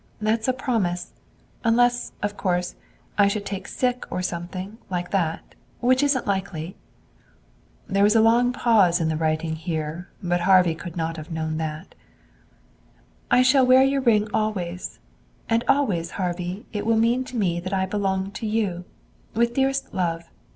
That's a promise. Unless, of course, I should take sick, or something like that, which isn't likely." There was a long pause in the writing here, but Harvey could not know that. "I shall wear your ring always; and always, Harvey, it will mean to me that I belong to you. With dearest love.